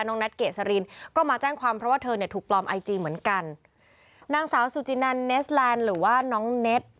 แน็ตเกษรินก็มาแจ้งความเพราะว่าเธอเนี่ยถูกปลอมไอจีเหมือนกันนางสาวสุจินันเนสแลนด์หรือว่าน้องเน็ต